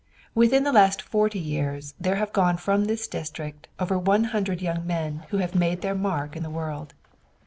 Within the last forty years there have gone from this district over one hundred young men who have made their mark in the world.